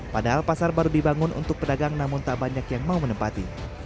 padahal pasar baru dibangun untuk pedagang namun tak banyak yang mau menempati